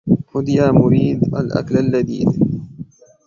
خذ يا مُريدَ الأكل اللذيذِ